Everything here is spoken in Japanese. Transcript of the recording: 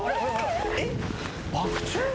えっ⁉バク宙？